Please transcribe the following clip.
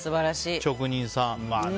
職人さん。